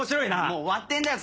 もう終わってんだよ！